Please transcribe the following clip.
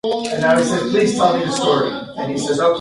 It can be done, you know.